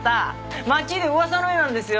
町で噂の絵なんですよ